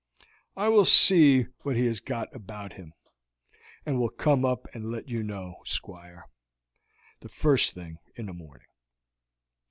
I will see what he has got about him, and will come up and let you know, Squire, the first thing in the morning."